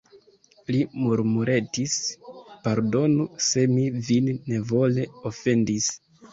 Li murmuretis: pardonu, se mi vin nevole ofendis.